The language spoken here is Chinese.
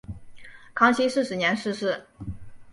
康熙四十年逝世。